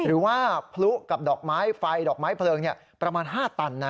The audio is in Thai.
หรือว่าพลุกับดอกไม้ไฟดอกไม้เพลิงประมาณ๕ตันนะ